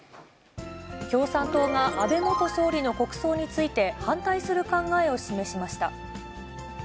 共産党が安倍元総理の国葬について、反対する考えを示しました。